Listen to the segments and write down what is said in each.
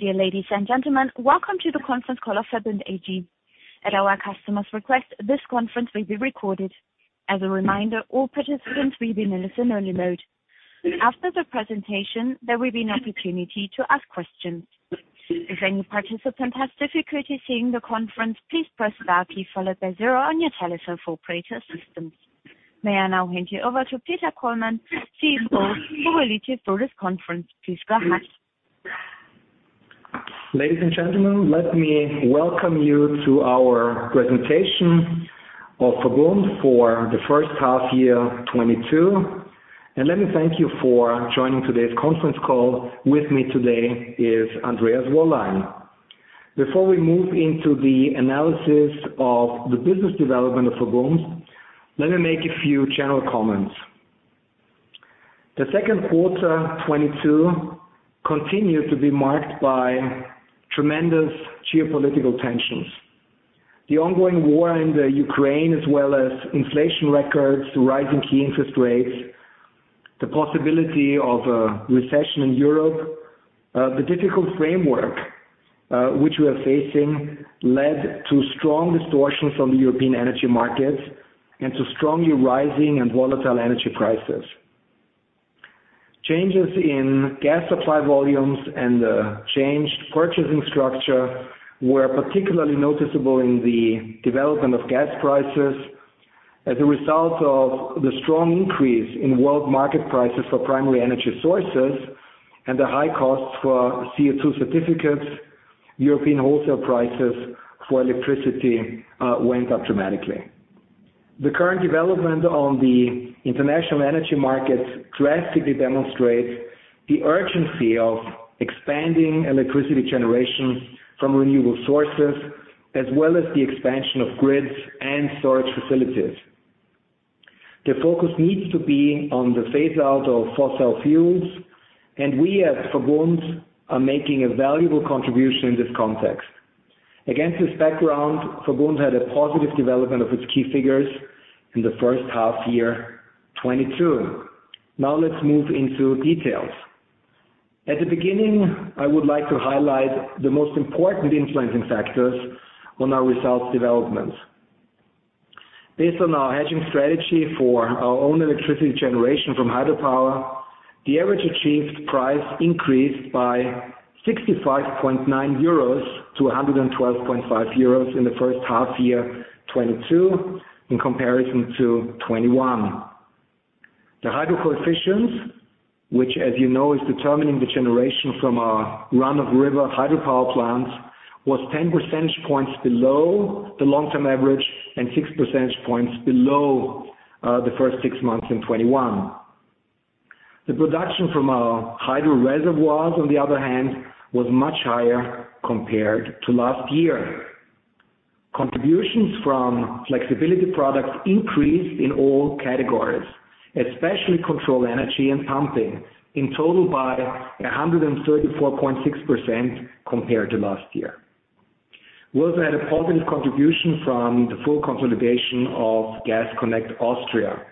Dear ladies and gentlemen, welcome to the conference call of VERBUND AG. At our customer's request, this conference will be recorded. As a reminder, all participants will be in a listen-only mode. After the presentation, there will be an opportunity to ask questions. If any participant has difficulty hearing the conference, please press star key followed by zero on your telephone for operator assistance. May I now hand you over to Peter Kollmann, CEO, who will lead you through this conference. Please go ahead. Ladies and gentlemen, let me welcome you to our presentation of VERBUND for the first half year 2022, and let me thank you for joining today's conference call. With me today is Andreas Wollein. Before we move into the analysis of the business development of VERBUND, let me make a few general comments. The second quarter 2022 continued to be marked by tremendous geopolitical tensions. The ongoing war in the Ukraine, as well as inflation rising to records, key interest rates, the possibility of a recession in Europe, the difficult framework which we are facing led to strong distortions from the European energy markets and to strongly rising and volatile energy prices. Changes in gas supply volumes and the changed purchasing structure were particularly noticeable in the development of gas prices as a result of the strong increase in world market prices for primary energy sources and the high costs for CO2 certificates. European wholesale prices for electricity went up dramatically. The current development on the international energy markets drastically demonstrate the urgency of expanding electricity generation from renewable sources, as well as the expansion of grids and storage facilities. The focus needs to be on the phase-out of fossil fuels, and we at Verbund are making a valuable contribution in this context. Against this background, Verbund had a positive development of its key figures in the first half year 2022. Now let's move into details. At the beginning, I would like to highlight the most important influencing factors on our results developments. Based on our hedging strategy for our own electricity generation from hydropower, the average achieved price increased by 65.9 euros to 112.5 euros in the first half year 2022, in comparison to 2021. The hydro coefficients, which as you know, is determining the generation from our run-of-river hydropower plants, was 10 percentage points below the long-term average and 6 percentage points below the first six months in 2021. The production from our hydro reservoirs, on the other hand, was much higher compared to last year. Contributions from flexibility products increased in all categories, especially control energy and pumping, in total by 134.6% compared to last year. We also had a positive contribution from the full consolidation of Gas Connect Austria.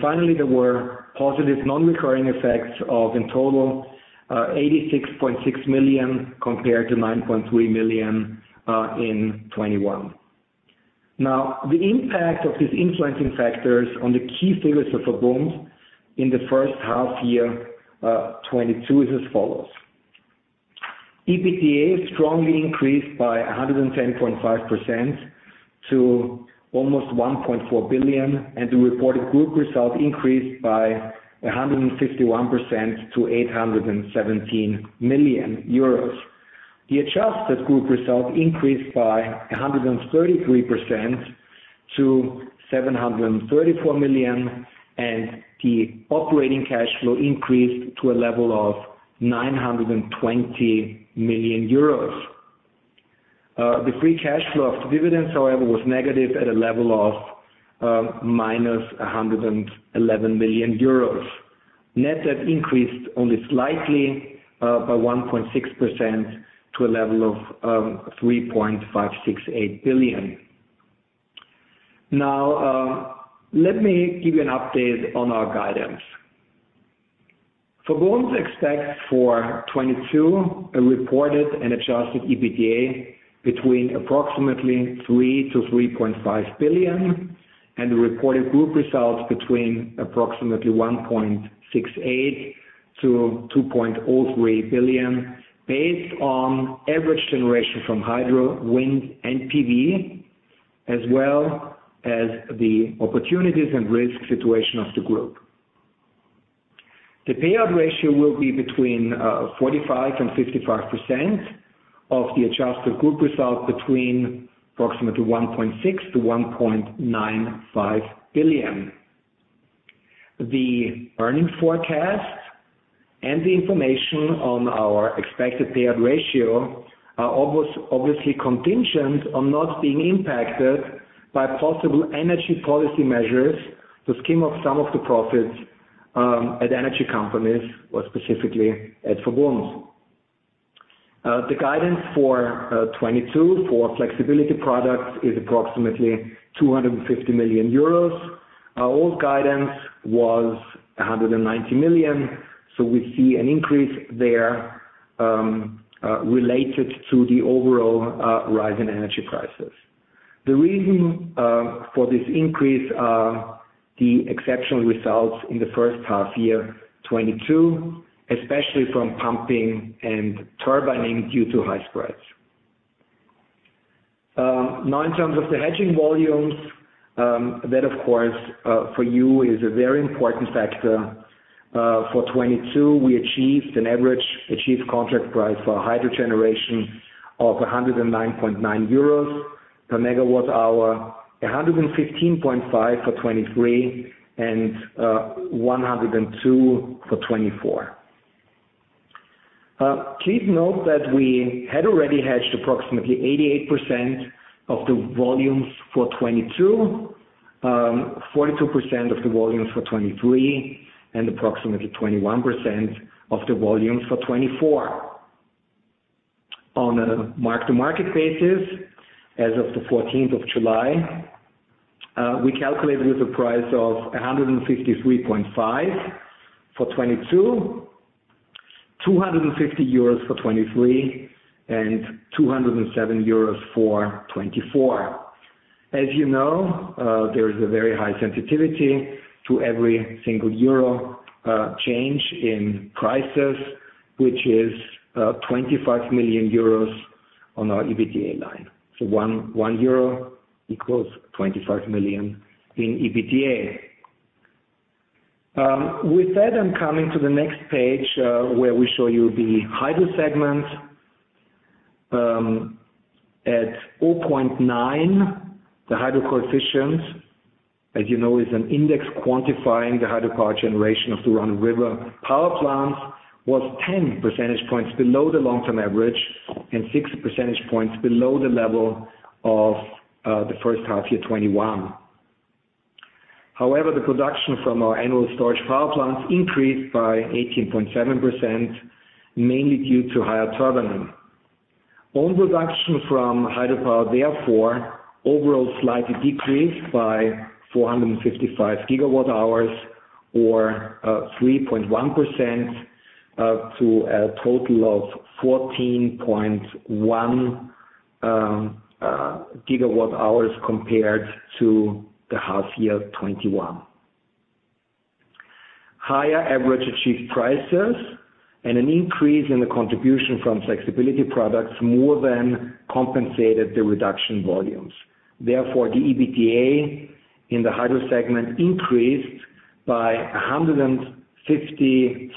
Finally, there were positive non-recurring effects of in total 86.6 million compared to 9.3 million in 2021. Now, the impact of these influencing factors on the key figures of VERBUND in the first half year 2022 is as follows: EBITDA strongly increased by 110.5% to almost 1.4 billion, and the reported group results increased by 151% to 817 million euros. The adjusted group results increased by 133% to 734 million, and the operating cash flow increased to a level of 920 million euros. The free cash flow of dividends, however, was negative at a level of -111 million euros. Net have increased only slightly by 1.6% to a level of 3.568 billion. Now, let me give you an update on our guidance. Verbund expects for 2022 a reported and adjusted EBITDA between approximately 3 billion-3.5 billion, and the reported group results between approximately 1.68 billion-2.03 billion based on average generation from hydro, wind, and PV, as well as the opportunities and risk situation of the group. The payout ratio will be between 45% and 55% of the adjusted group result between approximately 1.6-1.95 billion. The earnings forecast and the information on our expected payout ratio are obviously contingent on not being impacted by possible energy policy measures. The scheme of some of the profits at energy companies or specifically at Verbund. The guidance for 2022 for flexibility products is approximately 250 million euros. Our old guidance was 190 million, so we see an increase there related to the overall rise in energy prices. The reason for this increase are the exceptional results in the first half year 2022, especially from pumping and turbining due to high spreads. Now in terms of the hedging volumes, that of course for you is a very important factor. For 2022, we achieved an average achieved contract price for hydro generation of 109.9 euros per megawatt-hour, 115.5 for 2023, and 102 for 2024. Please note that we had already hedged approximately 88% of the volumes for 2022, 42% of the volumes for 2023, and approximately 21% of the volumes for 2024. On a mark-to-market basis, as of the fourteenth of July, we calculated with a price of 153.5 for 2022, 250 euros for 2023, and 207 euros for 2024. As you know, there is a very high sensitivity to every single euro change in prices, which is 25 million euros on our EBITDA line. One euro equals 25 million in EBITDA. With that, I'm coming to the next page, where we show you the hydro segment at 0.9. The hydro coefficient, as you know, is an index quantifying the hydropower generation of the run-of-river power plants, was 10 percentage points below the long-term average and 6 percentage points below the level of the first half of 2021. However, the production from our pumped-storage power plants increased by 18.7%, mainly due to higher turbining. Own production from hydropower, therefore, overall slightly decreased by 455 gigawatt hours or 3.1%, to a total of 14.1 terawatt hours compared to the half of 2021. Higher average achieved prices and an increase in the contribution from flexibility products more than compensated the reduction volumes. Therefore, the EBITDA in the hydro segment increased by 175.6%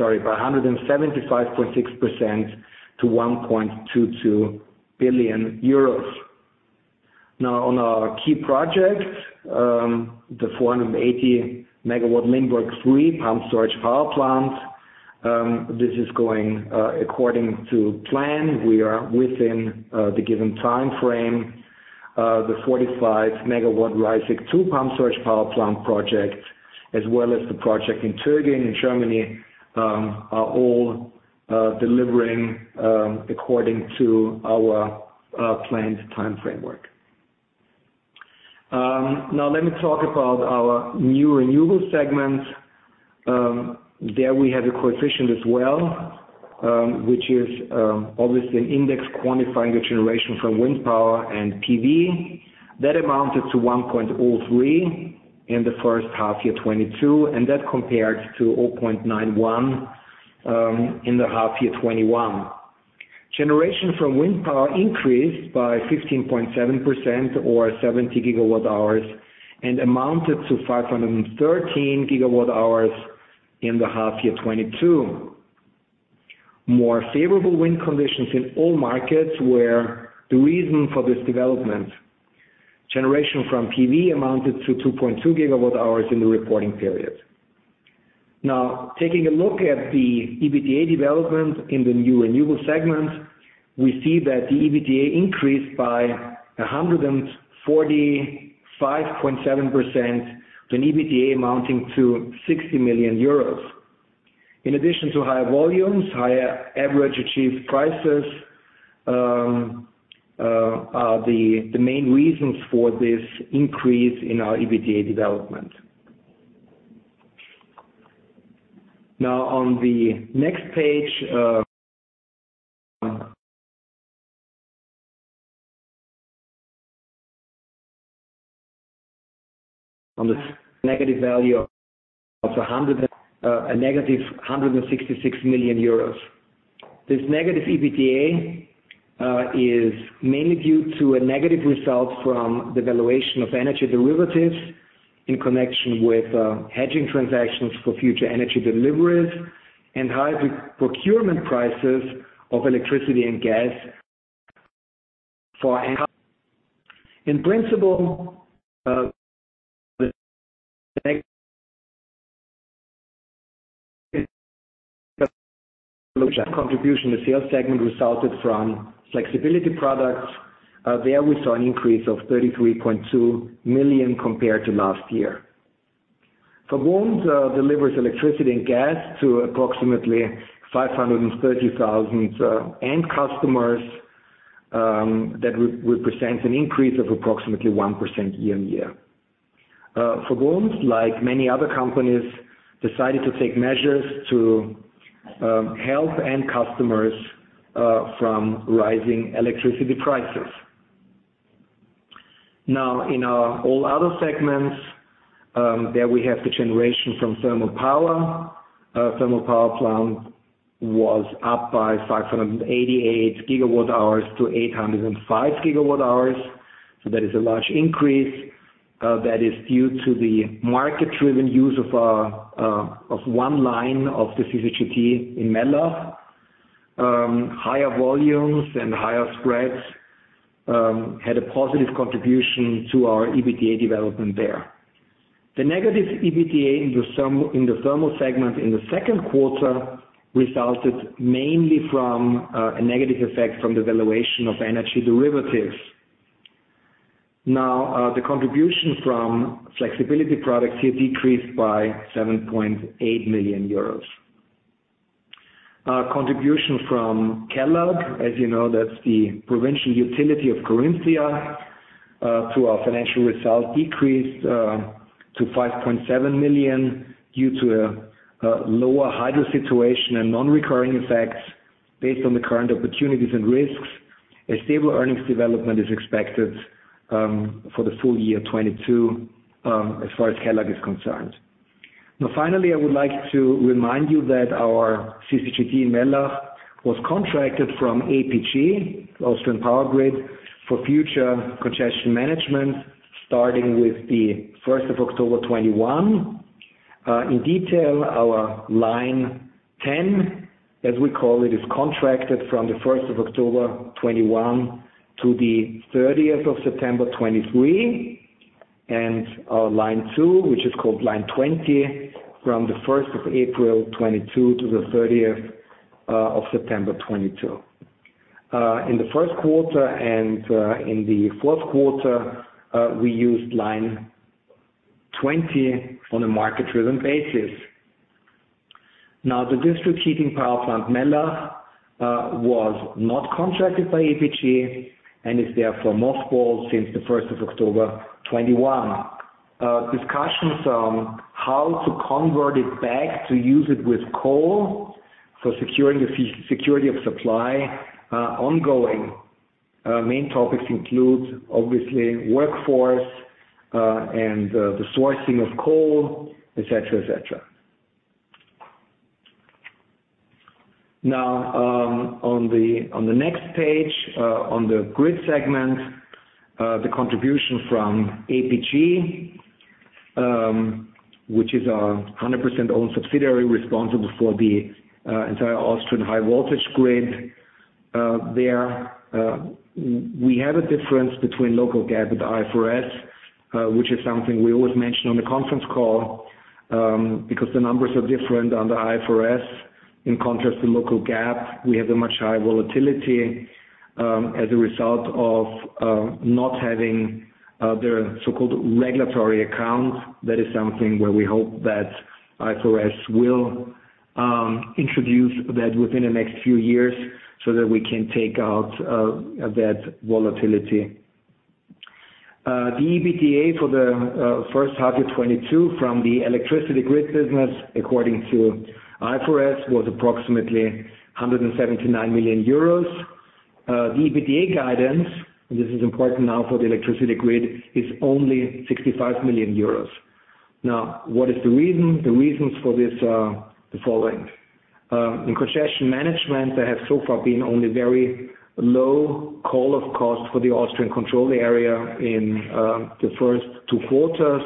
to 1.22 billion euros. Now on our key projects, the 480 MW Limberg III pumped-storage power plant, this is going according to plan. We are within the given timeframe, the 45 MW Reißeck II pumped-storage power plant project, as well as the project in Töging, in Germany, are all delivering according to our planned time framework. Now let me talk about our new renewable segments. There we have a coefficient as well, which is obviously an index quantifying the generation from wind power and PV. That amounted to 1.03 in the first half year 2022, and that compares to 0.91 in the half year 2021. Generation from wind power increased by 15.7% or 70 GWh and amounted to 513 GWh in the half year 2022. More favorable wind conditions in all markets were the reason for this development. Generation from PV amounted to 2.2 GWh in the reporting period. Now, taking a look at the EBITDA development in the new renewable segment, we see that the EBITDA increased by 145.7%, with an EBITDA amounting to 60 million euros. In addition to higher volumes, higher average achieved prices are the main reasons for this increase in our EBITDA development. Now, on the next page, on the negative value of -EUR 166 million. This negative EBITDA is mainly due to a negative result from the valuation of energy derivatives in connection with hedging transactions for future energy deliveries and high procurement prices of electricity and gas for our contribution to sales segment resulted from flexibility products. There we saw an increase of 33.2 million compared to last year. Verbund delivers electricity and gas to approximately 530,000 end customers, that represents an increase of approximately 1% year-on-year. Verbund, like many other companies, decided to take measures to help end customers from rising electricity prices. Now, in our all other segments, there we have the generation from thermal power. Thermal power plant was up by 588 GWh to 805 GWh. That is a large increase that is due to the market-driven use of one line of the CCGT Mellach. Higher volumes and higher spreads had a positive contribution to our EBITDA development there. The negative EBITDA in the thermal segment in the second quarter resulted mainly from a negative effect from the valuation of energy derivatives. The contribution from flexibility products here decreased by 7.8 million euros. Contribution from Kelag, as you know, that's the provincial utility of Carinthia, to our financial results decreased to 5.7 million due to a lower hydro situation and non-recurring effects based on the current opportunities and risks. A stable earnings development is expected for the full year 2022, as far as Kelag is concerned. Now, finally, I would like to remind you that our CCGT in Mellach was contracted from APG, Austrian Power Grid, for future congestion management, starting with the first of October 2021. In detail, our line 10, as we call it, is contracted from the first of October 2021 to the thirtieth of September 2023. Our line two, which is called line 20, from the first of April 2022 to the thirtieth of September 2022. In the first quarter and in the fourth quarter, we used line 20 on a market-driven basis. Now, the district heating power plant Mellach was not contracted by APG and is therefore mothballed since the first of October 2021. Discussions on how to convert it back to use it with coal for securing the security of supply are ongoing. Main topics include obviously workforce and the sourcing of coal, et cetera. Now, on the next page, on the grid segment, the contribution from APG, which is our 100% owned subsidiary responsible for the entire Austrian high voltage grid. There we have a difference between local GAAP and IFRS, which is something we always mention on the conference call, because the numbers are different under the IFRS. In contrast to local GAAP, we have a much higher volatility as a result of not having their so-called regulatory accounts. That is something where we hope that IFRS will introduce that within the next few years so that we can take out that volatility. The EBITDA for the first half of 2022 from the electricity grid business, according to IFRS, was approximately 179 million euros. The EBITDA guidance, and this is important now for the electricity grid, is only 65 million euros. Now, what is the reason? The reasons for this are the following. In congestion management, there have so far been only very low call-off costs for the Austrian control area in the first two quarters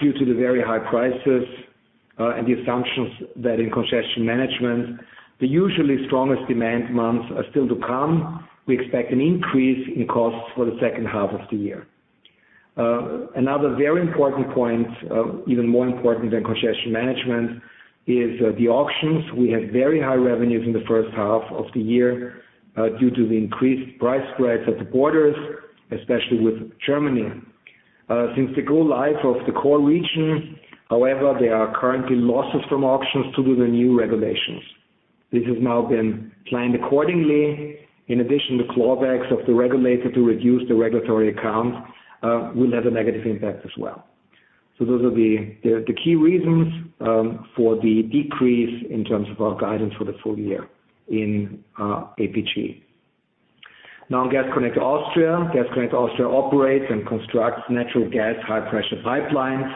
due to the very high prices and the assumptions that in congestion management, the usually strongest demand months are still to come. We expect an increase in costs for the second half of the year. Another very important point, even more important than congestion management, is the auctions. We had very high revenues in the first half of the year due to the increased price spreads at the borders, especially with Germany. Since the go live of the Core Region, however, there are currently losses from auctions due to the new regulations. This has now been planned accordingly. In addition, the clawbacks of the regulator to reduce the regulatory accounts will have a negative impact as well. Those are the key reasons for the decrease in terms of our guidance for the full year in APG. Now, Gas Connect Austria. Gas Connect Austria operates and constructs natural gas high pressure pipelines.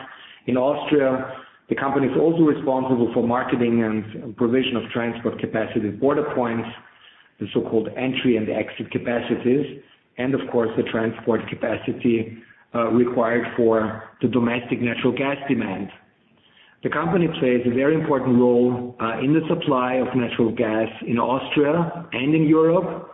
In Austria, the company is also responsible for marketing and provision of transport capacity border points, the so-called entry and exit capacities, and of course, the transport capacity required for the domestic natural gas demand. The company plays a very important role in the supply of natural gas in Austria and in Europe.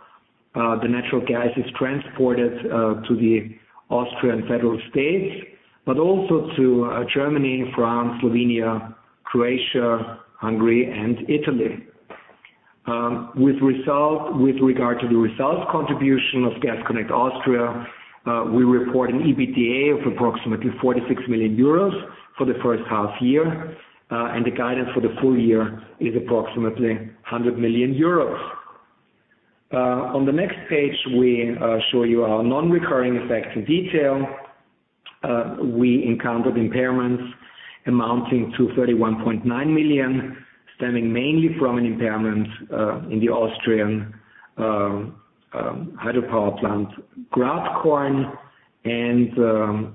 The natural gas is transported to the Austrian federal states, but also to Germany, France, Slovenia, Croatia, Hungary, and Italy. With regard to the results contribution of Gas Connect Austria, we report an EBITDA of approximately 46 million euros for the first half year, and the guidance for the full year is approximately 100 million euros. On the next page, we show you our non-recurring effects in detail. We encountered impairments amounting to 31.9 million, stemming mainly from an impairment in the Austrian hydropower plant, Gratkorn, and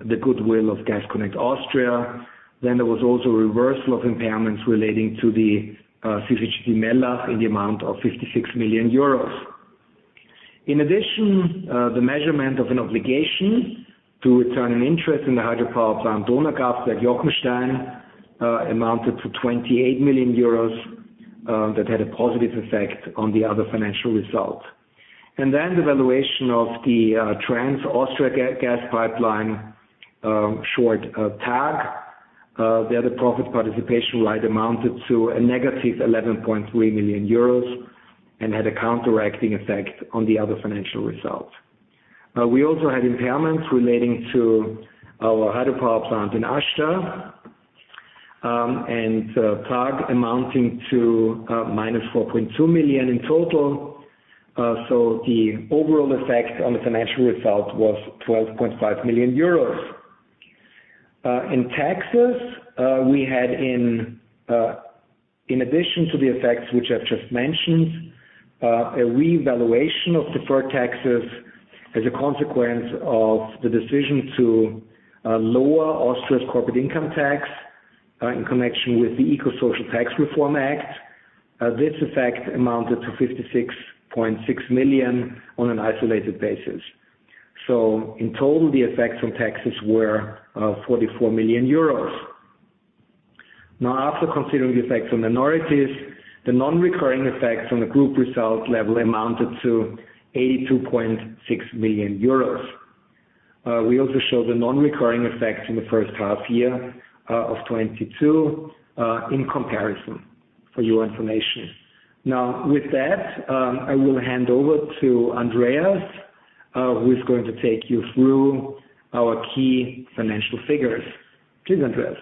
the goodwill of Gas Connect Austria. There was also a reversal of impairments relating to the CCGT Mellach in the amount of 56 million euros. In addition, the measurement of an obligation to return an interest in the hydropower plant, Donaukraftwerk Jochenstein, amounted to 28 million euros, that had a positive effect on the other financial results. The valuation of the Trans Austria Gasleitung, short TAG, the other profit participation right amounted to a negative 11.3 million euros and had a counteracting effect on the other financial results. We also had impairments relating to our hydropower plant in Aschach and TAG amounting to minus 4.2 million in total. The overall effect on the financial result was 12.5 million euros. In taxes, we had, in addition to the effects which I've just mentioned, a revaluation of deferred taxes as a consequence of the decision to lower Austria's corporate income tax, in connection with the Eco-Social Tax Reform Act. This effect amounted to 56.6 million on an isolated basis. In total, the effects on taxes were 44 million euros. After considering the effects on minorities, the non-recurring effects on the group results level amounted to 82.6 million euros. We also show the non-recurring effects in the first half year of 2022 in comparison for your information. With that, I will hand over to Andreas, who is going to take you through our key financial figures. Please, Andreas.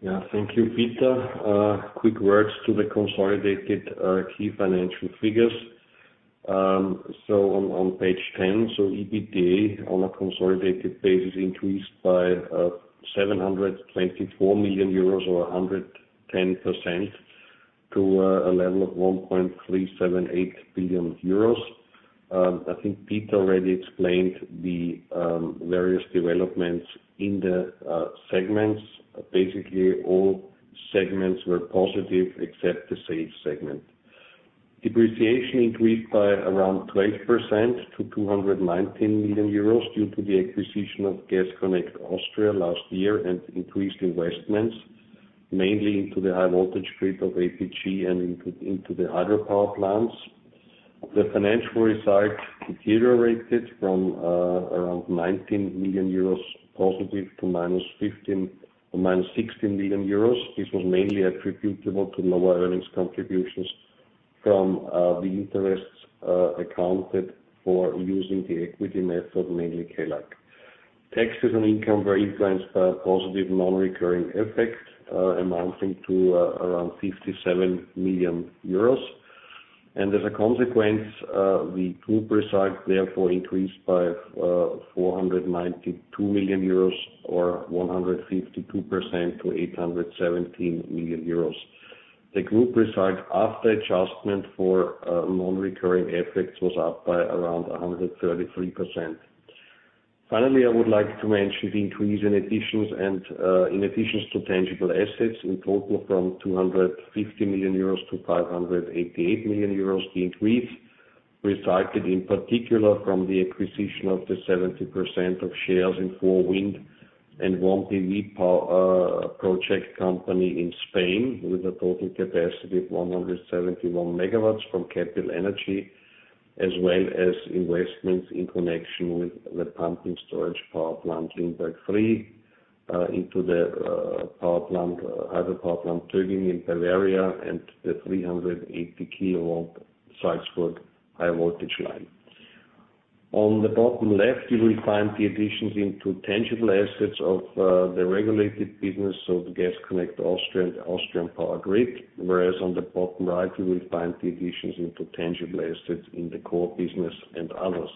Yeah. Thank you, Peter. Quick words to the consolidated key financial figures. On page ten, EBITDA on a consolidated basis increased by 724 million euros or 110% to a level of 1.378 billion euros. I think Pete already explained the various developments in the segments. Basically, all segments were positive except the same segment. Depreciation increased by around 12% to 219 million euros due to the acquisition of Gas Connect Austria last year and increased investments, mainly into the high voltage grid of APG and into the hydropower plants. The financial results deteriorated from around +19 million euros to -15 or -16 million euros. This was mainly attributable to lower earnings contributions from the interests accounted for using the equity method, mainly Kelag. Taxes and income were influenced by a positive non-recurring effect amounting to around 57 million euros. As a consequence, the group results therefore increased by 492 million euros or 152% to 817 million euros. The group results after adjustment for non-recurring effects was up by around 133%. Finally, I would like to mention the increase in additions to tangible assets in total from 250 million euros to 588 million euros increased, resulted in particular from the acquisition of the 70% of shares in Four Wind and one PV project company in Spain with a total capacity of 171 MW from Capital Energy, as well as investments in connection with the pumped-storage power plant Limberg III into the hydropower plant Töging in Bavaria, and the 380-kilovolt Salzburg high voltage line. On the bottom left, you will find the additions into tangible assets of the regulated business of Gas Connect Austria and Austrian Power Grid, whereas on the bottom right, you will find the additions into tangible assets in the core business and others.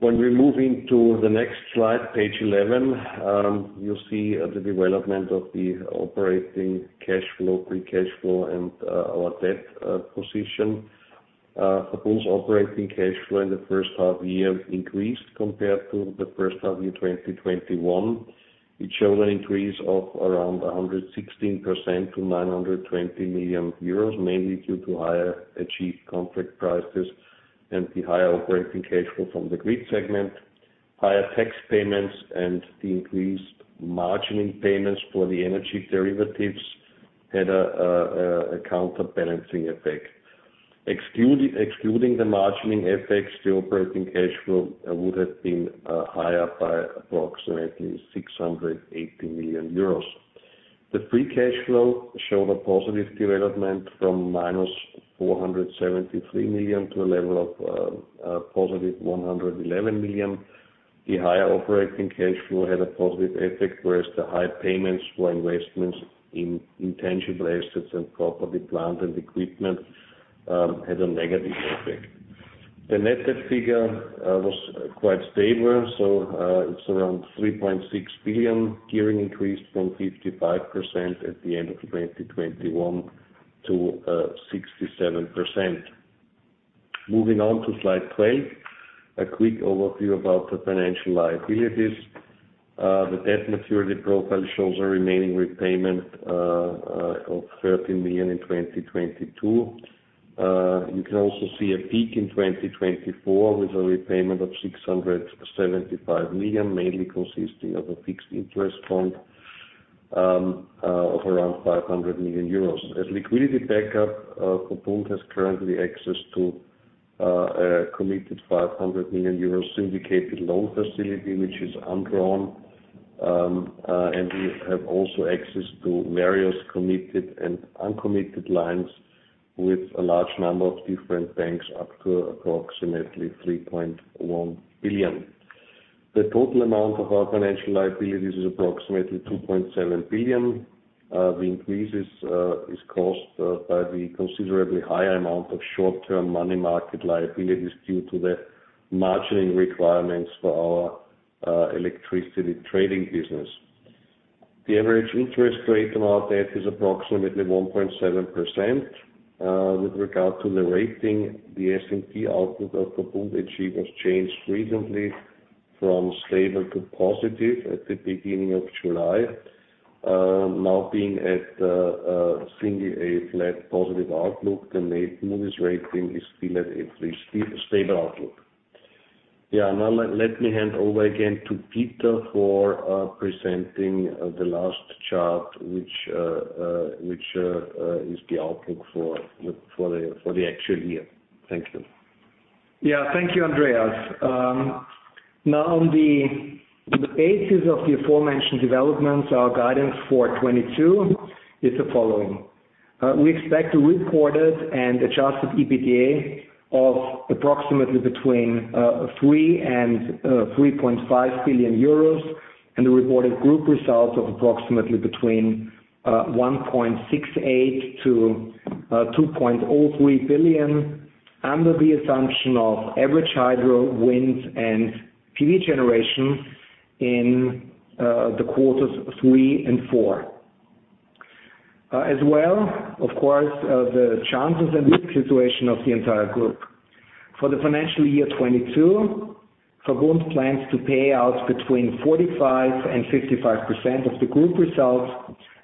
When we move into the next slide, page 11, you'll see the development of the operating cash flow, free cash flow and our debt position. Our operating cash flow in the first half year increased compared to the first half year, 2021. It showed an increase of around 116% to 920 million euros, mainly due to higher achieved contract prices and the higher operating cash flow from the grid segment. Higher tax payments and the increased margining payments for the energy derivatives had a counterbalancing effect. Excluding the margining effects, the operating cash flow would have been higher by approximately 680 million euros. The free cash flow showed a positive development from -473 million to a level of positive 111 million. The higher operating cash flow had a positive effect, whereas the high payments for investments in intangible assets and property, plant and equipment had a negative effect. The net debt figure was quite stable, so it's around 3.6 billion, gearing increased from 55% at the end of 2021 to 67%. Moving on to slide 12. A quick overview about the financial liabilities. The debt maturity profile shows a remaining repayment of 13 million in 2022. You can also see a peak in 2024 with a repayment of 675 million, mainly consisting of a fixed interest bond of around 500 million euros. As liquidity backup, VERBUND has currently access to a committed 500 million euros syndicated loan facility, which is undrawn. We have also access to various committed and uncommitted lines with a large number of different banks up to approximately 3.1 billion. The total amount of our financial liabilities is approximately 2.7 billion. The increase is caused by the considerably higher amount of short-term money market liabilities due to the margining requirements for our electricity trading business. The average interest rate on our debt is approximately 1.7%. With regard to the rating, the S&P outlook of VERBUND AG was changed recently from stable to positive at the beginning of July. Now being at A- positive outlook, the Moody's rating is still at A3 stable outlook. Yeah. Now let me hand over again to Peter for presenting the last chart, which is the outlook for the actual year. Thank you. Thank you, Andreas. Now on the basis of the aforementioned developments, our guidance for 2022 is the following. We expect a reported and adjusted EBITDA of approximately between 3 billion and 3.5 billion euros, and a reported group result of approximately between 1.68 billion and 2.03 billion under the assumption of average hydro, wind and PV generation in the quarters 3 and 4, as well, of course, the chances and risk situation of the entire group. For the financial year 2022, Verbund plans to pay out between 45% and 55% of the group results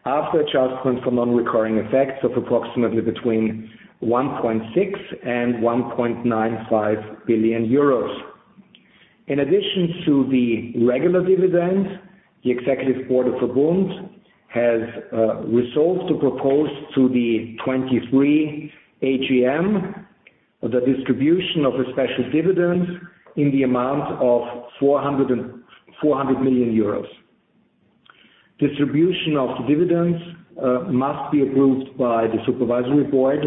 after adjustment for non-recurring effects of approximately between 1.6 billion and 1.95 billion euros. In addition to the regular dividend, the executive board of Verbund has resolved to propose to the 2023 AGM the distribution of a special dividend in the amount of 400 million euros. Distribution of dividends must be approved by the supervisory board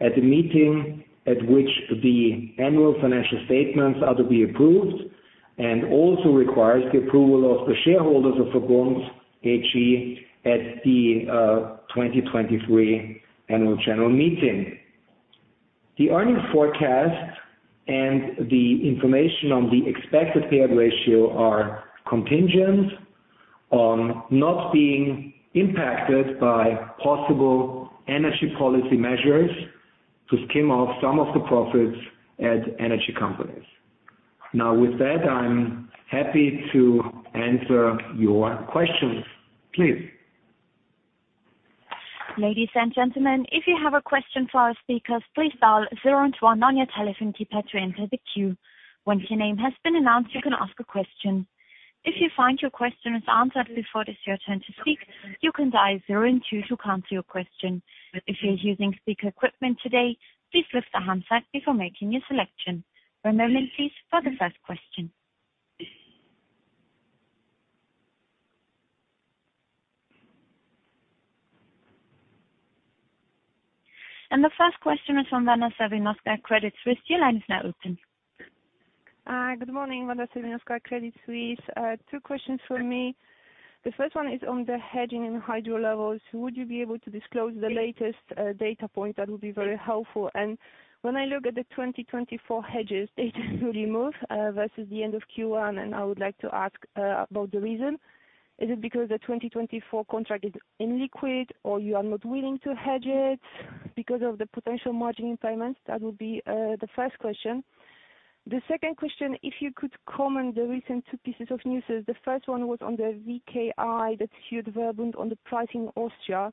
at the meeting at which the annual financial statements are to be approved, and also requires the approval of the shareholders of Verbund AG at the 2023 annual general meeting. The earnings forecast and the information on the expected payout ratio are contingent on not being impacted by possible energy policy measures to skim off some of the profits at energy companies. Now, with that, I'm happy to answer your questions. Please. Ladies and gentlemen, if you have a question for our speakers, please dial zero and two on your telephone keypad to enter the queue. Once your name has been announced, you can ask a question. If you find your question is answered before it is your turn to speak, you can dial zero and two to cancel your question. If you're using speaker equipment today, please lift the handset before making your selection. One moment please for the first question. The first question is from Wanda Serwinowska at Credit Suisse. Your line is now open. Good morning, Wanda Serwinowska, Credit Suisse. Two questions from me. The first one is on the hedging and hydro levels. Would you be able to disclose the latest data point? That would be very helpful. When I look at the 2024 hedges, they didn't really move versus the end of Q1, and I would like to ask about the reason. Is it because the 2024 contract is illiquid, or you are not willing to hedge it because of the potential margining payments? That would be the first question. The second question, if you could comment on the recent two pieces of news. The first one was on the VKI that sued Verbund on the price in Austria.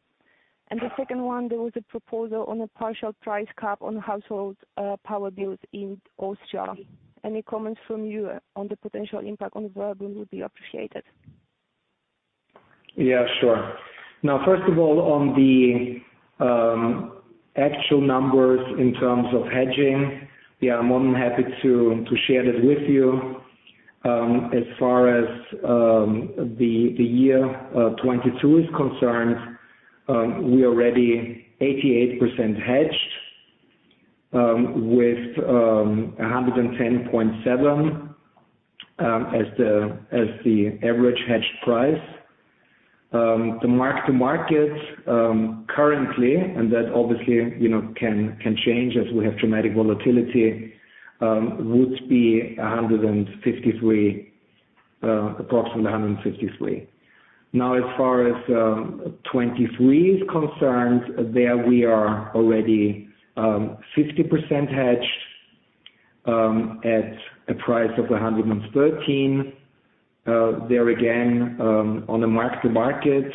The second one, there was a proposal on a partial price cap on household power bills in Austria. Any comments from you on the potential impact on Verbund would be appreciated. Yeah, sure. Now, first of all, on the actual numbers in terms of hedging, we are more than happy to share that with you. As far as the year 2022 is concerned, we already 88% hedged with 110.7 as the average hedged price. The mark-to-market currently, and that obviously, you know, can change as we have dramatic volatility, would be 153, approximately 153. Now, as far as 2023 is concerned, there we are already 50% hedged at a price of 113. There again, on the mark-to-market,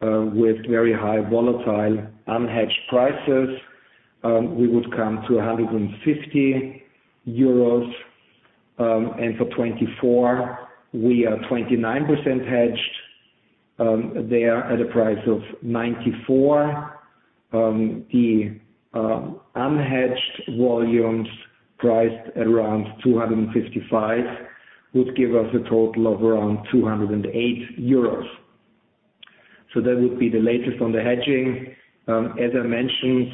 with very high volatile unhedged prices, we would come to 150 euros. For 2024, we are 29% hedged, there at a price of 94. Unhedged volumes priced around 255 would give us a total of around 208 euros. That would be the latest on the hedging. As I mentioned,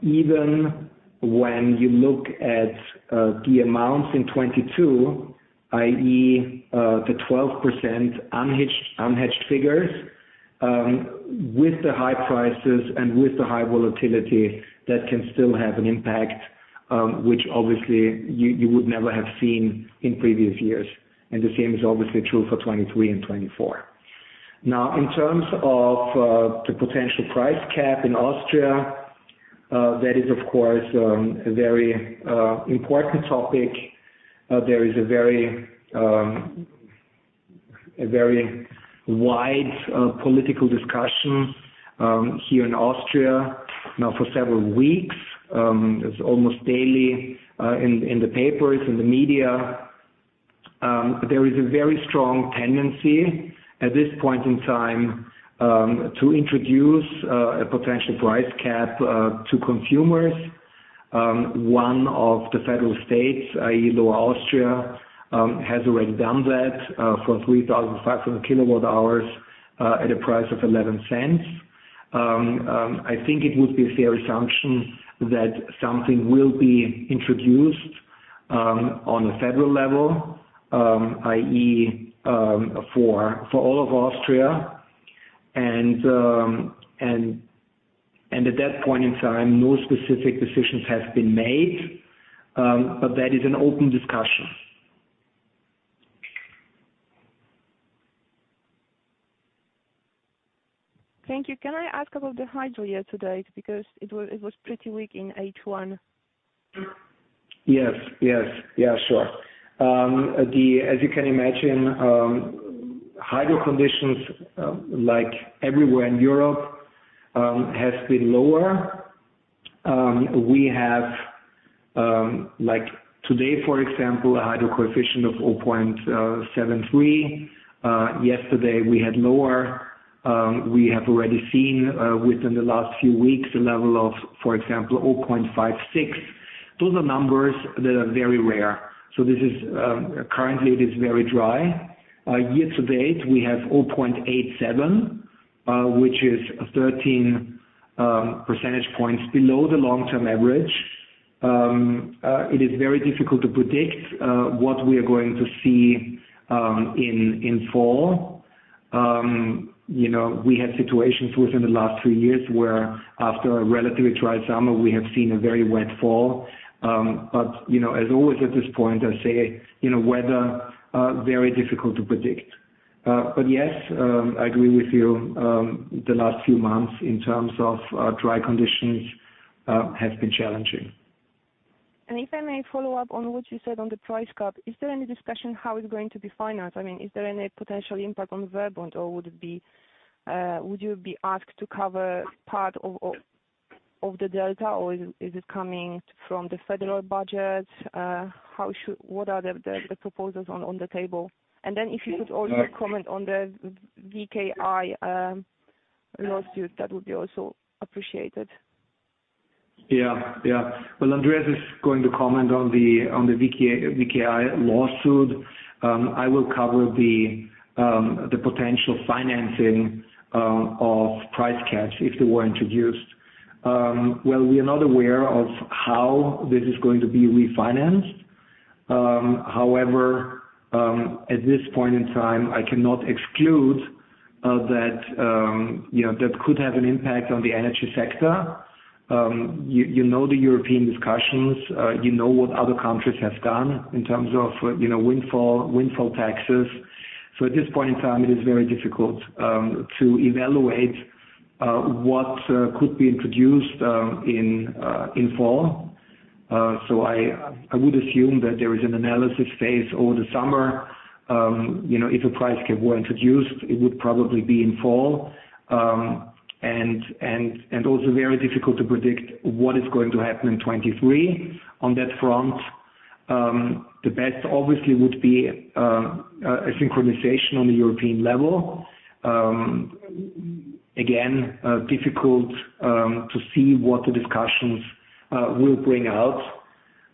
even when you look at the amounts in 2022, i.e., the 12% unhedged figures, with the high prices and with the high volatility, that can still have an impact, which obviously you would never have seen in previous years. The same is obviously true for 2023 and 2024. Now, in terms of the potential price cap in Austria, that is of course a very important topic. There is a very wide political discussion here in Austria now for several weeks. It's almost daily in the papers, in the media. There is a very strong tendency at this point in time to introduce a potential price cap to consumers. One of the federal states, i.e., Lower Austria, has already done that for 3,500 kWh at a price of 0.11. I think it would be a fair assumption that something will be introduced on a federal level, i.e., for all of Austria. At that point in time, no specific decisions have been made, but that is an open discussion. Thank you. Can I ask about the hydro year to date? Because it was pretty weak in H1. Yes. Yeah, sure. As you can imagine, hydro conditions, like everywhere in Europe, has been lower. We have, like today, for example, a hydro coefficient of 0.73. Yesterday we had lower. We have already seen, within the last few weeks, a level of, for example, 0.56. Those are numbers that are very rare. So this is, currently it is very dry. Year to date, we have 0.87, which is 13 percentage points below the long-term average. It is very difficult to predict, what we are going to see, in fall. You know, we had situations within the last three years where after a relatively dry summer we have seen a very wet fall. You know, as always at this point, I say, you know, weather very difficult to predict. Yes, I agree with you, the last few months in terms of dry conditions have been challenging. If I may follow up on what you said on the price cap. Is there any discussion how it's going to be financed? I mean, is there any potential impact on Verbund, or would it be, would you be asked to cover part of the delta, or is it coming from the federal budget? What are the proposals on the table? If you could also comment on the VKI lawsuit, that would be also appreciated. Yeah. Well, Andreas is going to comment on the VKI lawsuit. I will cover the potential financing of price caps if they were introduced. Well, we are not aware of how this is going to be refinanced. However, at this point in time, I cannot exclude that you know that could have an impact on the energy sector. You know the European discussions, you know what other countries have done in terms of you know windfall taxes. At this point in time, it is very difficult to evaluate what could be introduced in fall. I would assume that there is an analysis phase over the summer. You know, if a price cap were introduced, it would probably be in fall. Also very difficult to predict what is going to happen in 2023 on that front. The best obviously would be a synchronization on the European level. Again, difficult to see what the discussions will bring out.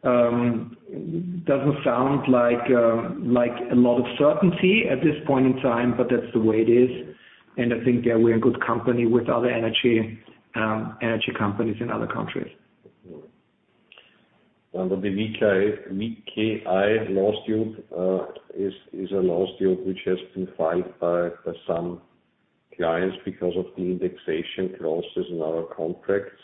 Doesn't sound like a lot of certainty at this point in time, but that's the way it is. I think there, we're in good company with other energy companies in other countries. On the VKI lawsuit, it is a lawsuit which has been filed by some clients because of the indexation clauses in our contracts.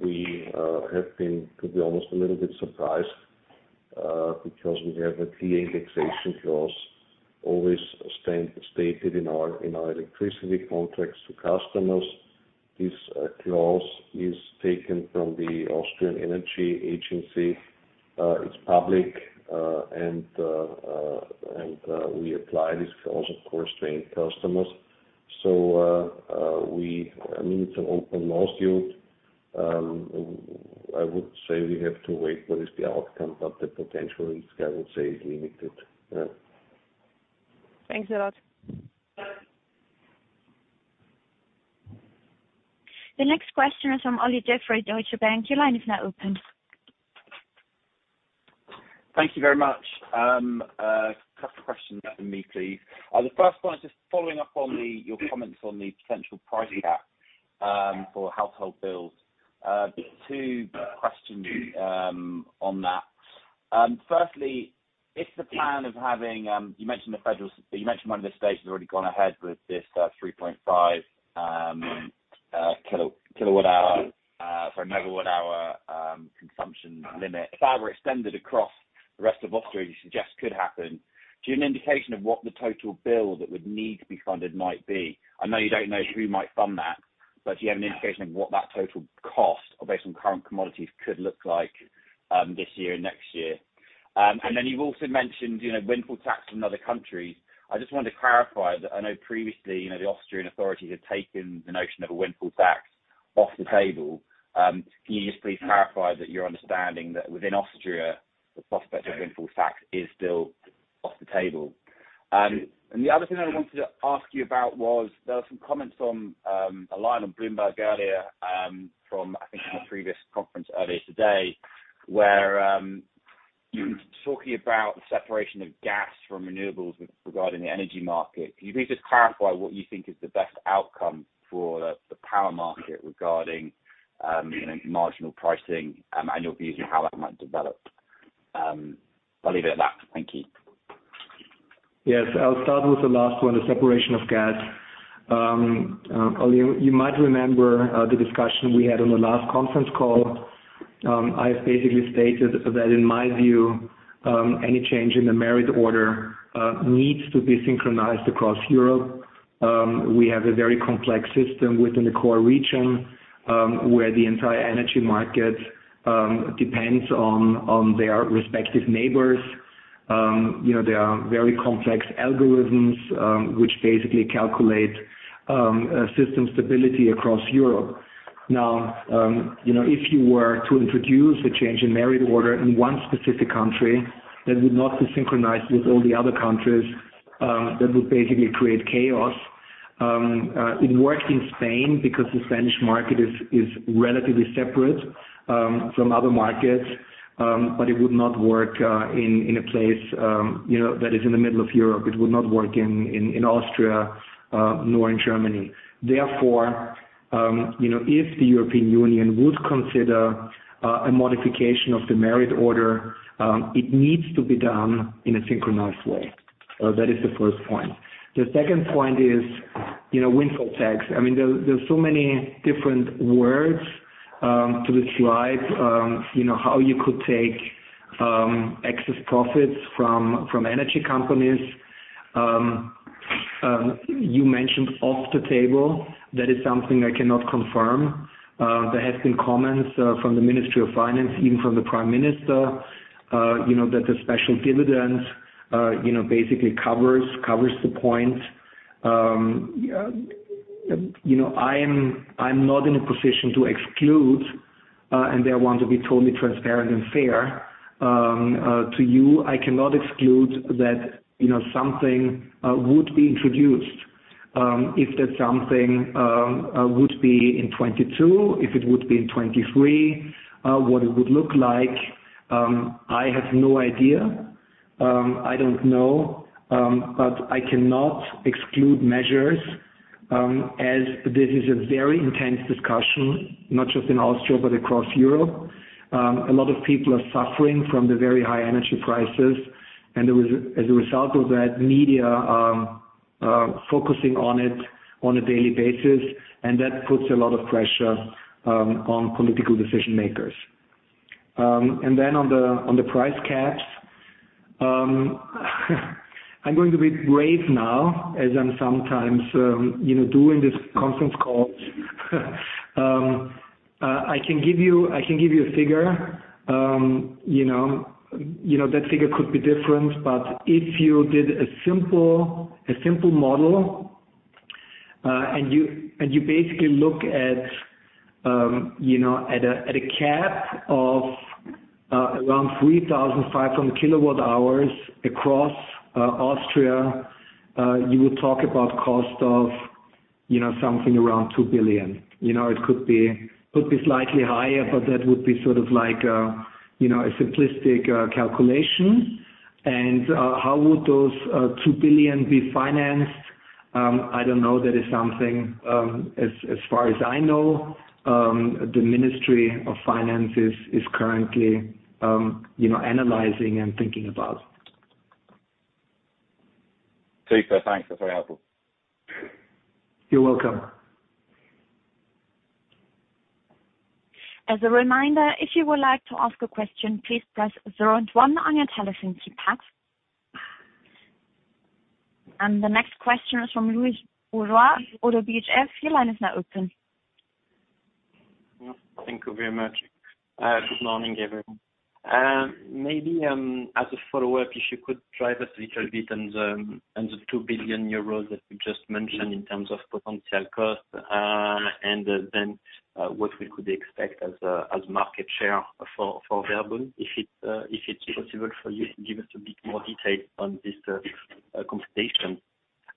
We have been to be almost a little bit surprised, because we have a clear indexation clause always stated in our electricity contracts to customers. This clause is taken from the Austrian Energy Agency. It's public. We apply this clause of course to end customers. We I mean, it's an open lawsuit. I would say we have to wait what is the outcome, but the potential risk I would say is limited. Yeah. Thanks a lot. The next question is from Olly Jeffery, Deutsche Bank. Your line is now open. Thank you very much. Couple of questions from me, please. The first one is just following up on your comments on the potential price cap for household bills. Two questions on that. Firstly, if the plan of having you mentioned one of the states has already gone ahead with this 3.5 megawatt hour consumption limit. If that were extended across the rest of Austria, you suggest could happen. Do you have an indication of what the total bill that would need to be funded might be? I know you don't know who might fund that, but do you have an indication of what that total cost based on current commodities could look like this year, next year? You've also mentioned, you know, windfall tax from other countries. I just wanted to clarify that I know previously, you know, the Austrian authorities had taken the notion of a windfall tax off the table. Can you just please clarify that your understanding that within Austria, the prospect of windfall tax is still off the table? The other thing I wanted to ask you about was, there were some comments from a line on Bloomberg earlier, from, I think from a previous conference earlier today, where you were talking about the separation of gas from renewables with regarding the energy market. Can you please just clarify what you think is the best outcome for the power market regarding, you know, marginal pricing, and your views on how that might develop? I'll leave it at that. Thank you. Yes. I'll start with the last one, the separation of gas. Olly, you might remember the discussion we had on the last conference call. I basically stated that in my view, any change in the merit order needs to be synchronized across Europe. We have a very complex system within the Core Region, where the entire energy market depends on their respective neighbors. You know, there are very complex algorithms which basically calculate system stability across Europe. Now, you know, if you were to introduce a change in merit order in one specific country that would not be synchronized with all the other countries, that would basically create chaos. It worked in Spain because the Spanish market is relatively separate from other markets, but it would not work in a place, you know, that is in the middle of Europe. It would not work in Austria, nor in Germany. Therefore, you know, if the European Union would consider a modification of the merit order, it needs to be done in a synchronized way. That is the first point. The second point is, you know, windfall tax. I mean, there's so many different words to describe, you know, how you could take excess profits from energy companies. You mentioned off the table. That is something I cannot confirm. There has been comments from the Ministry of Finance, even from the Prime Minister, you know, that the special dividend, you know, basically covers the point. You know, I'm not in a position to exclude, and I want to be totally transparent and fair to you. I cannot exclude that, you know, something would be introduced, if that something would be in 2022, if it would be in 2023, what it would look like, I have no idea. I don't know. I cannot exclude measures, as this is a very intense discussion, not just in Austria, but across Europe. A lot of people are suffering from the very high energy prices, and as a result of that, media focusing on it on a daily basis, and that puts a lot of pressure on political decision makers. On the price caps, I'm going to be brave now as I'm sometimes, you know, doing these conference calls. I can give you a figure. You know, that figure could be different, but if you did a simple model, and you basically look at a cap of around 3,500 kWh across Austria. You will talk about cost of something around 2 billion. You know, it could be slightly higher, but that would be sort of like a, you know, a simplistic calculation. How would those 2 billion be financed? I don't know. That is something, as far as I know, the Ministry of Finance is currently, you know, analyzing and thinking about. Super. Thanks. That's very helpful. You're welcome. As a reminder, if you would like to ask a question, please press zero and one on your telephone keypad. The next question is from Thibault Dujardin, ODDO BHF. Your line is now open. Thank you very much. Good morning, everyone. Maybe as a follow-up, if you could drive us a little bit on the 2 billion euros that you just mentioned in terms of potential cost, and then what we could expect as market share for VERBUND. If it's possible for you to give us a bit more detail on this constellation.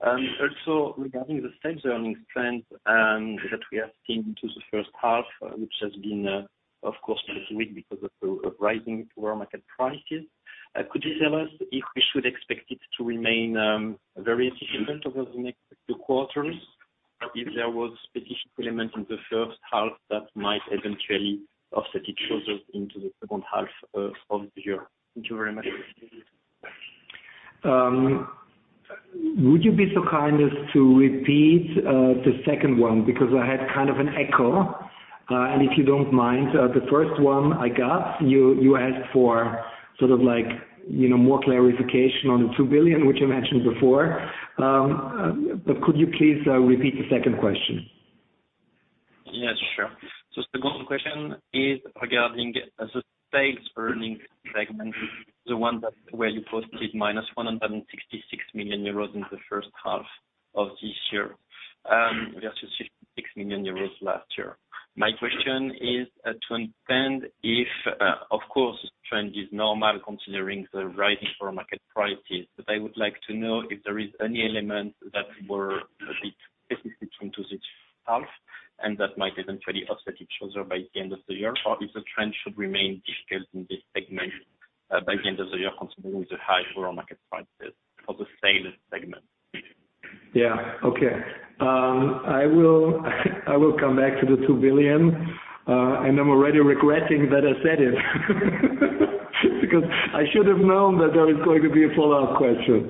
Also regarding the sales and earnings trend that we have seen in the first half, which has been, of course, weak because of the rising wholesale market prices. Could you tell us if we should expect it to remain very efficient over the next 2 quarters? If there were specific elements in the first half that might eventually offset each other in the second half of the year. Thank you very much. Would you be so kind as to repeat the second one? Because I had kind of an echo, and if you don't mind, the first one I got. You asked for sort of like, you know, more clarification on the 2 billion, which I mentioned before. Could you please repeat the second question? Yes, sure. Second question is regarding the sales & earnings segment, the one where you posted -166 million euros in the first half of this year, versus 66 million euros last year. My question is, to understand if, of course the trend is normal considering the rising wholesale market prices, but I would like to know if there is any element that were a bit specific to this half, and that might eventually offset each other by the end of the year. Or if the trend should remain difficult in this segment, by the end of the year, considering the high wholesale market prices for the sales segment. Yeah. Okay. I will come back to the 2 billion. I'm already regretting that I said it because I should have known that there is going to be a follow-up question.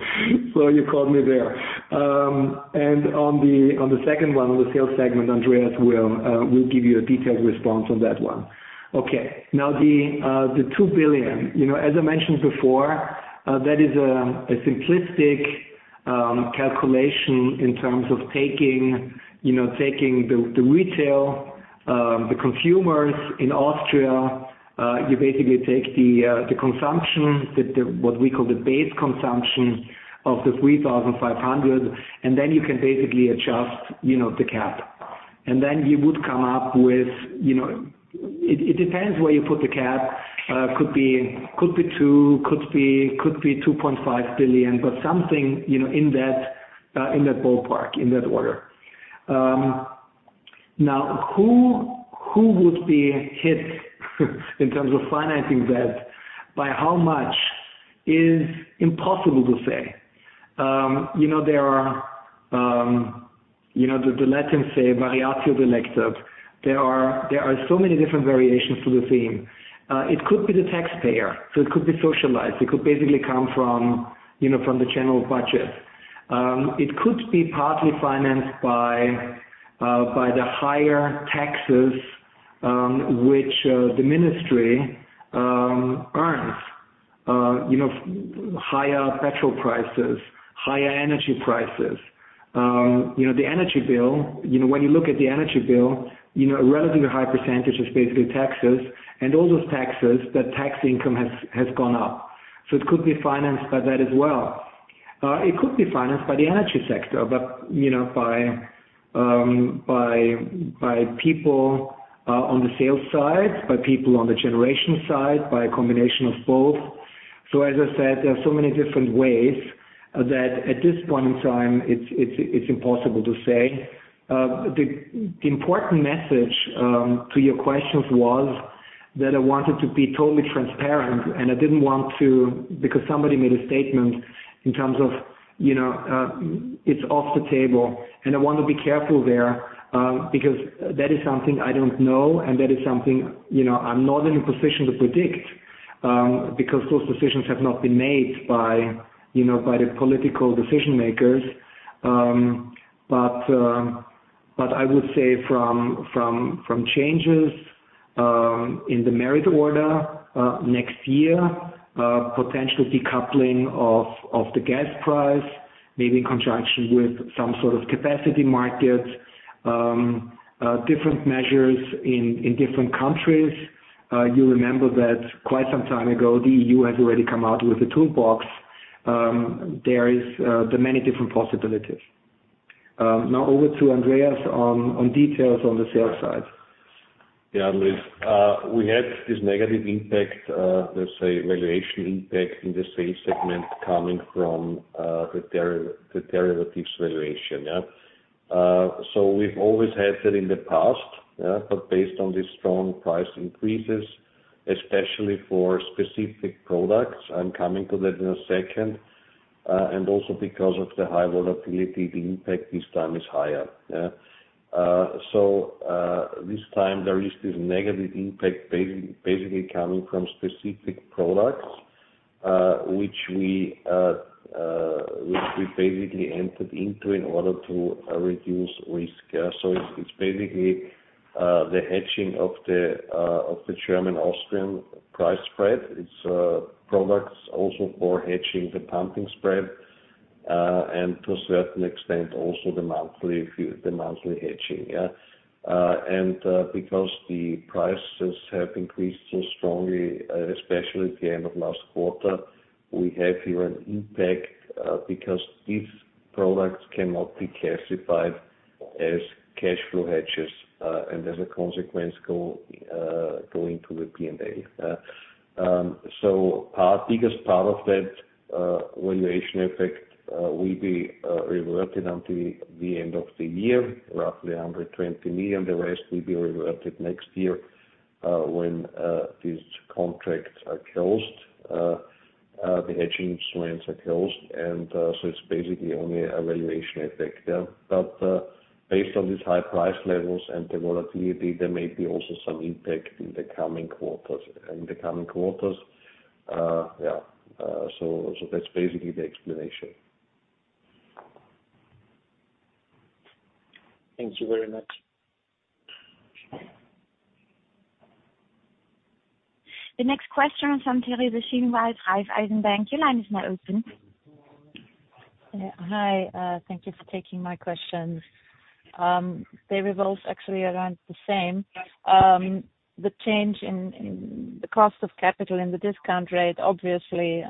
You caught me there. On the second one, on the sales segment, Andreas will give you a detailed response on that one. Okay. Now, the 2 billion. You know, as I mentioned before, that is a simplistic calculation in terms of taking, you know, taking the retail consumers in Austria. You basically take the consumption, what we call the base consumption of the 3,500, and then you can basically adjust, you know, the cap. Then you would come up with, you know, it depends where you put the cap. Could be 2, could be 2.5 billion, but something, you know, in that ballpark, in that order. Now who would be hit in terms of financing that, by how much is impossible to say. You know, there are, the Latins say, variatio delectat. There are so many different variations to the theme. It could be the taxpayer, so it could be socialized. It could basically come from the general budget. It could be partly financed by the higher taxes, which the ministry earns. You know, higher petrol prices, higher energy prices. You know, the energy bill, you know, when you look at the energy bill, you know, a relatively high percentage is basically taxes and all those taxes, the tax income has gone up. It could be financed by that as well. It could be financed by the energy sector, but, you know, by people on the sales side, by people on the generation side, by a combination of both. As I said, there are so many different ways that at this point in time, it's impossible to say. The important message to your questions was that I wanted to be totally transparent, and I didn't want to because somebody made a statement in terms of, you know, it's off the table, and I want to be careful there, because that is something I don't know, and that is something, you know, I'm not in a position to predict, because those decisions have not been made by, you know, by the political decision makers. I would say from changes in the merit order next year, potential decoupling of the gas price, maybe in conjunction with some sort of capacity markets, different measures in different countries. You remember that quite some time ago, the EU has already come out with a toolbox. There are many different possibilities. Now over to Andreas on details on the sales side. Thibault, we had this negative impact, let's say valuation impact in the sales segment coming from the derivatives valuation. We've always had that in the past, but based on the strong price increases, especially for specific products, I'm coming to that in a second, and also because of the high volatility, the impact this time is higher. This time there is this negative impact basically coming from specific products, which we basically entered into in order to reduce risk. It's basically the hedging of the German-Austrian price spread. It's products also for hedging the pumping spread, and to a certain extent, also the monthly fix, the monthly hedging. Because the prices have increased so strongly, especially at the end of last quarter, we have here an impact, because these products cannot be classified as cash flow hedges, and as a consequence go into the P&L. The biggest part of that valuation effect will be reverted until the end of the year, roughly 120 million. The rest will be reverted next year, when these contracts are closed, the hedging swaps are closed. It's basically only a valuation effect. Based on these high price levels and the volatility, there may be also some impact in the coming quarters. That's basically the explanation. Thank you very much. The next question comes from Teresa Schinwald, Raiffeisen Bank. Your line is now open. Hi, thank you for taking my questions. They revolve actually around the same. The change in the cost of capital and the discount rate, obviously,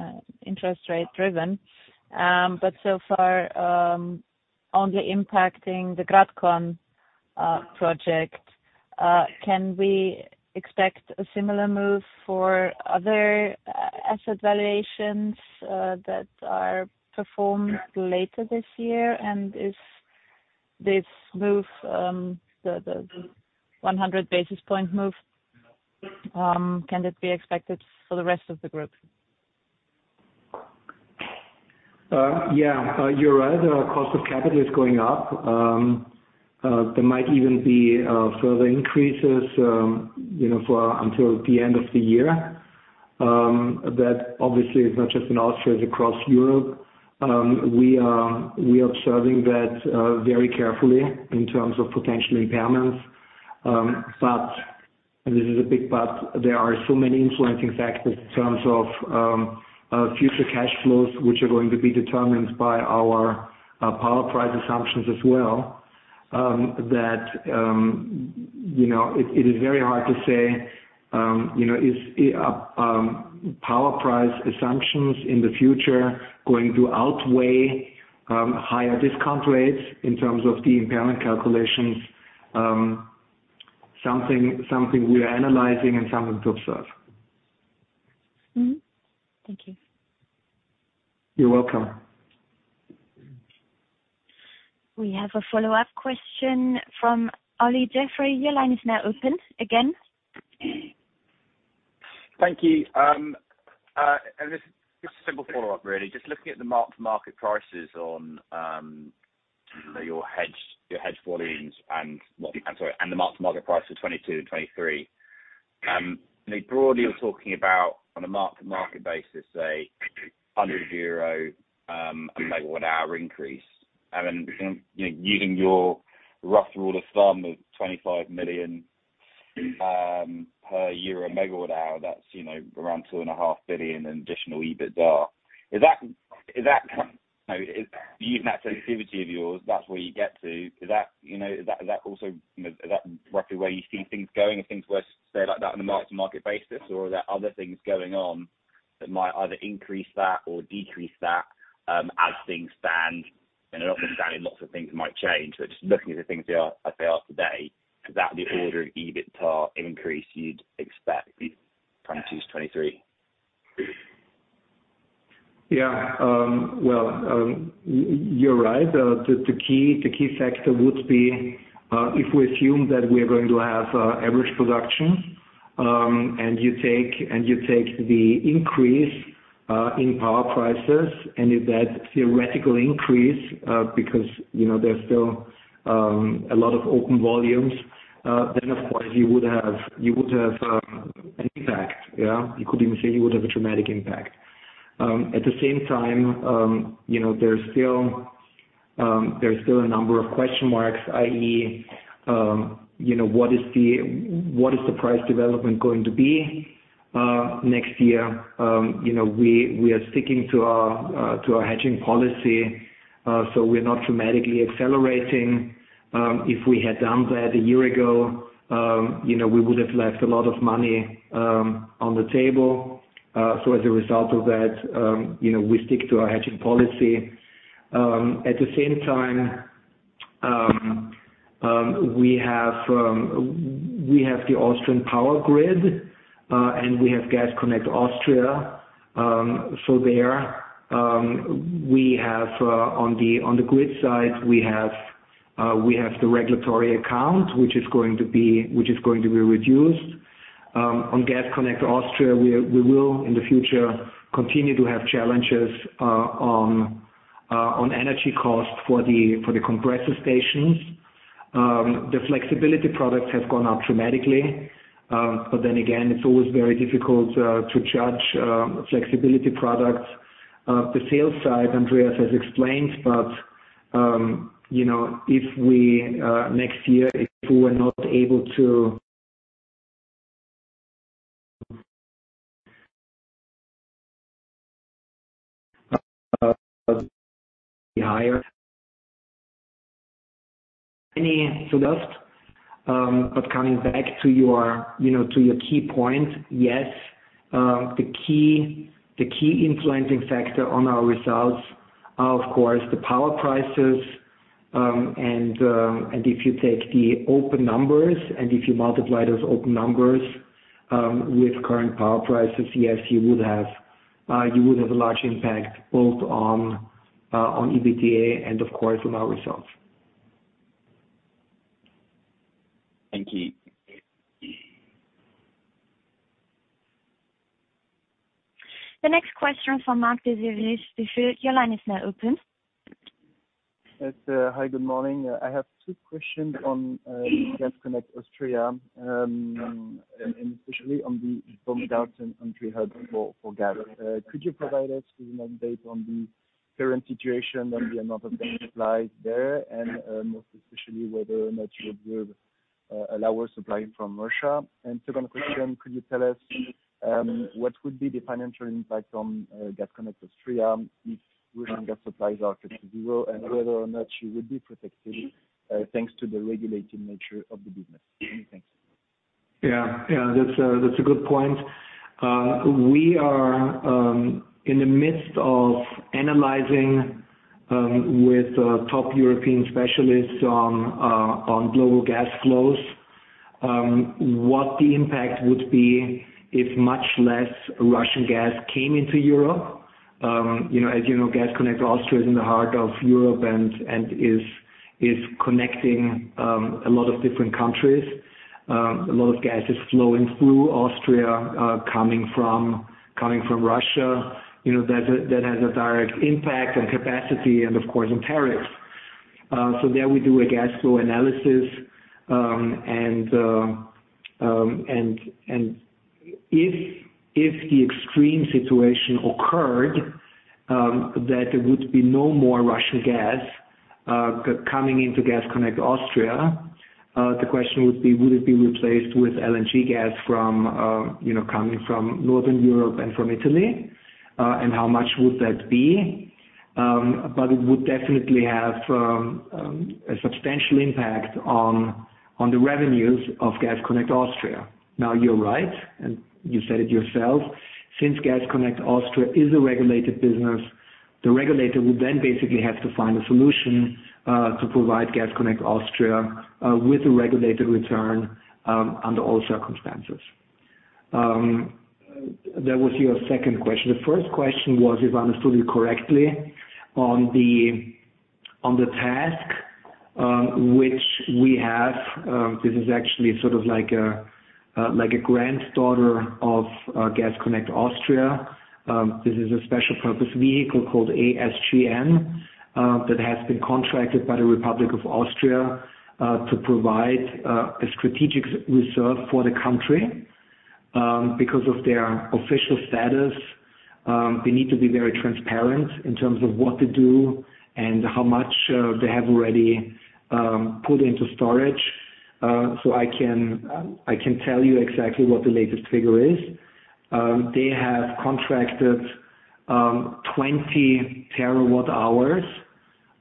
interest rate driven, but so far, only impacting the Gratkorn project. Can we expect a similar move for other asset valuations that are performed later this year? Is this move, the 100 basis point move, can it be expected for the rest of the group? Yeah. You're right. Our cost of capital is going up. There might even be further increases, you know, for until the end of the year. That obviously is not just in Austria, it's across Europe. We are observing that very carefully in terms of potential impairments. This is a big but, there are so many influencing factors in terms of future cash flows, which are going to be determined by our power price assumptions as well, that you know, it is very hard to say, you know, is power price assumptions in the future going to outweigh higher discount rates in terms of the impairment calculations. Something we are analyzing and something to observe. Mm-hmm. Thank you. You're welcome. We have a follow-up question from Olly Jeffery. Your line is now open again. Thank you. This is just a simple follow-up really. Just looking at the mark-to-market prices on your hedged volumes and, I'm sorry, and the mark-to-market price for 2022 and 2023. I mean broadly you're talking about on a mark-to-market basis, say 100 euro megawatt-hour increase. I mean, you know, using your rough rule of thumb of 25 million per euro megawatt-hour, that's, you know, around 2.5 billion in additional EBITDA. Is that, you know, using that sensitivity of yours, that's where you get to. Is that, you know, is that also, you know, is that roughly where you see things going if things were, say, like that on a mark-to-market basis or are there other things going on that might either increase that or decrease that, as things stand? Obviously lots of things might change, but just looking at the things, they are, as they are today, is that the order of EBITDA increase you'd expect between 2022-2023? You're right. The key factor would be if we assume that we are going to have average production, and you take the increase in power prices and if that theoretical increase, because, you know, there's still a lot of open volumes, then of course you would have an impact. Yeah. You could even say you would have a dramatic impact. At the same time, you know, there's still a number of question marks, i.e., you know, what is the price development going to be next year? You know, we are sticking to our hedging policy, so we're not dramatically accelerating. If we had done that a year ago, you know, we would have left a lot of money on the table. As a result of that, you know, we stick to our hedging policy. We have the Austrian Power Grid, and we have Gas Connect Austria. There, we have on the grid side, we have the regulatory account which is going to be reduced. On Gas Connect Austria, we will in the future continue to have challenges on energy costs for the compressor stations. The flexibility products have gone up dramatically. Then again, it's always very difficult to judge flexibility products. The sales side, Andreas has explained, but coming back to your, you know, to your key point, yes. The key influencing factor on our results are of course the power prices. If you take the open numbers, and if you multiply those open numbers with current power prices, yes, you would have a large impact both on EBITDA and of course on our results. Thank you. The next question from Mark Davis, your line is now open. Yes. Hi, good morning. I have two questions on Gas Connect Austria, and especially on the build out and entry hub for gas. Could you provide us with an update on the current situation on the amount of gas supplies there and most especially whether or not you observe a lower supply from Russia? Second question, could you tell us what would be the financial impact on Gas Connect Austria if Russian gas supplies are cut to zero, and whether or not you would be protected thanks to the regulated nature of the business? Many thanks. Yeah. That's a good point. We are in the midst of analyzing with top European specialists on global gas flows what the impact would be if much less Russian gas came into Europe. You know, as you know, Gas Connect Austria is in the heart of Europe and is connecting a lot of different countries. A lot of gas is flowing through Austria, coming from Russia. You know, that has a direct impact on capacity and of course on tariffs. So there we do a gas flow analysis. If the extreme situation occurred that there would be no more Russian gas coming into Gas Connect Austria, the question would be, would it be replaced with LNG gas from, you know, coming from Northern Europe and from Italy? How much would that be? It would definitely have a substantial impact on the revenues of Gas Connect Austria. Now, you're right, and you said it yourself, since Gas Connect Austria is a regulated business, the regulator would then basically have to find a solution to provide Gas Connect Austria with a regulated return under all circumstances. That was your second question. The first question was, if I understood you correctly, on the task, which we have, this is actually sort of like a granddaughter of Gas Connect Austria. This is a special purpose vehicle called ASGM, that has been contracted by the Republic of Austria, to provide a strategic reserve for the country. Because of their official status, they need to be very transparent in terms of what they do and how much they have already put into storage. I can tell you exactly what the latest figure is. They have contracted 20 terawatt-hours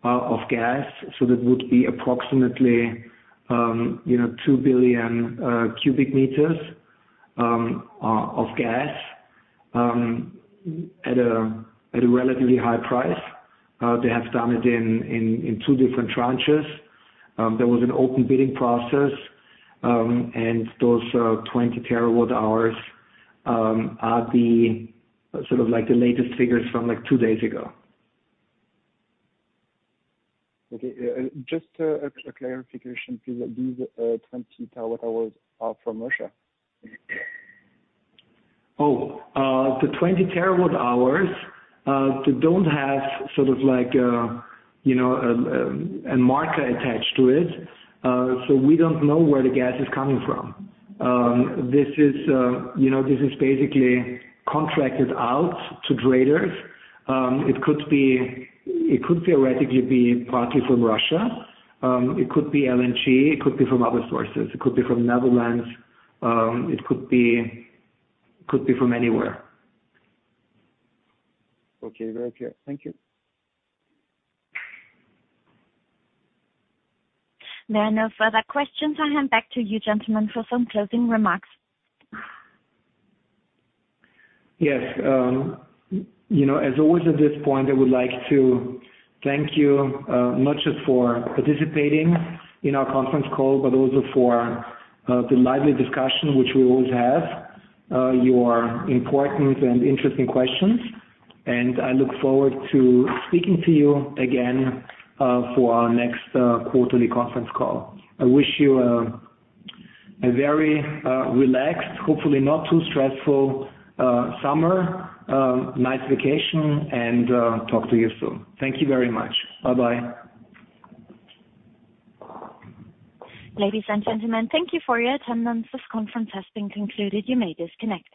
of gas, so that would be approximately, you know, 2 billion cubic meters of gas, at a relatively high price. They have done it in two different tranches. There was an open bidding process, and those 20 terawatt-hours are the sort of like the latest figures from like two days ago. Okay. Just a clarification please. These 20 terawatt-hours are from Russia? The 20 terawatt-hours, they don't have sort of like, you know, a marker attached to it, so we don't know where the gas is coming from. This is, you know, this is basically contracted out to traders. It could be, it could theoretically be partly from Russia. It could be LNG, it could be from other sources. It could be from Netherlands. It could be from anywhere. Okay. Very clear. Thank you. There are no further questions. I hand back to you, gentlemen, for some closing remarks. Yes. You know, as always at this point, I would like to thank you, not just for participating in our conference call, but also for the lively discussion which we always have, your important and interesting questions, and I look forward to speaking to you again for our next quarterly conference call. I wish you a very relaxed, hopefully not too stressful, summer. Nice vacation and talk to you soon. Thank you very much. Bye-bye. Ladies and gentlemen, thank you for your attendance. This conference has been concluded. You may disconnect.